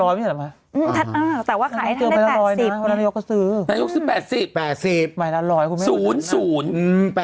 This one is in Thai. ตอนนั้นที่นายกเจอก็เจอใบละร้อยไม่เห็นไหมแต่ว่าขายให้เจอใบละร้อยนะเวลานายกก็ซื้อ